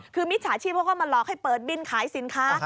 คือมิจฉาชีพเขาก็มาหลอกให้เปิดบินขายสินค้า